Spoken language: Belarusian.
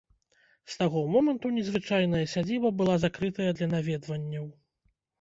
З таго моманту незвычайная сядзіба была закрытая для наведванняў.